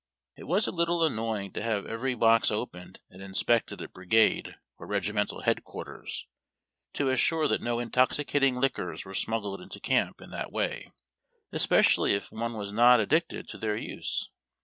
It was a little annoying to have every box opened and inspected at brigade or regimental headquarters, to assure that no intoxicating liquors were smuggled into camp in that yvay, especially if one was not addicted to their use.